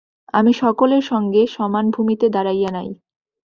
আমি সকলের সঙ্গে সমান ভূমিতে দাঁড়াইয়া নাই।